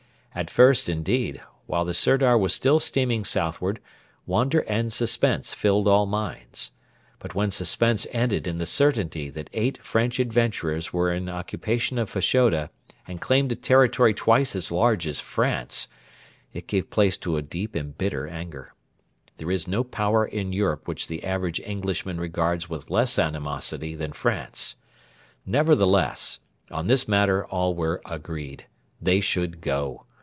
At first indeed, while the Sirdar was still steaming southward, wonder and suspense filled all minds; but when suspense ended in the certainty that eight French adventurers were in occupation of Fashoda and claimed a territory twice as large as France, it gave place to a deep and bitter anger. There is no Power in Europe which the average Englishman regards with less animosity than France. Nevertheless, on this matter all were agreed. They should go.